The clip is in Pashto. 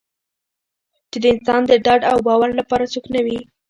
چې د انسان د ډاډ او باور لپاره څوک نه وي.